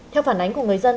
theo phản ánh của người dân